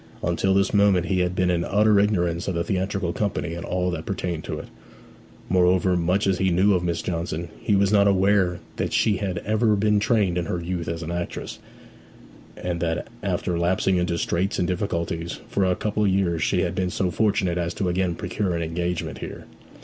Until this moment he had been in utter ignorance of the theatrical company and all that pertained to it. Moreover, much as he knew of Miss Johnson, he was not aware that she had ever been trained in her youth as an actress, and that after lapsing into straits and difficulties for a couple of years she had been so fortunate as to again procure an engagement here.